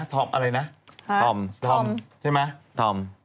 ธอมอะไรนะธอมใช่ไหมธอม